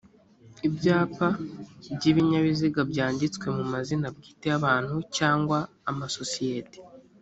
ibyapa byi ibinyabiziga byanditswe mu mazina bwite y abantu cyangwa amasosiyete